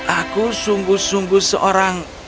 aku sungguh sungguh seorang